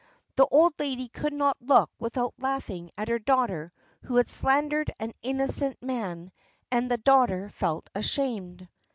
The old lady could not look without laughing at her daughter who had slandered an innocent man, and the daughter felt ashamed.